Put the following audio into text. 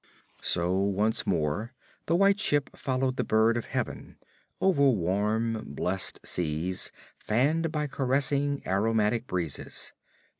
So once more the White Ship followed the bird of heaven, over warm blessed seas fanned by caressing, aromatic breezes.